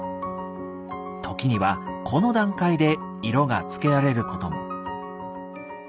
時にはこの段階で色がつけられることも。